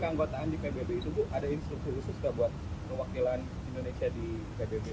keanggotaan di pbb itu bu ada instruksi khusus nggak buat perwakilan indonesia di pbb